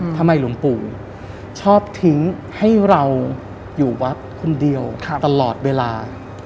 หลวงปู่ชอบทิ้งให้เราอยู่วัดคนเดียวตลอดเวลา